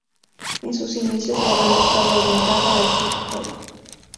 En sus inicios, la banda estaba orientada al hip hop.